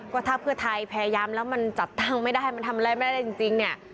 ก็ถ้าเพื่อไทยพยายามแล้วมันจัดตั้งไม่ได้มันทำอะไรไม่ได้จริงเนี่ย